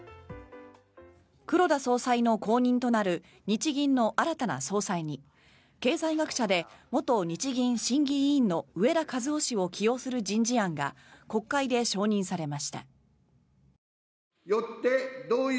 黒田総裁の後任となる日銀の新たな総裁に経済学者で元日銀審議委員の植田和男氏を起用する人事案が国会で承認されました。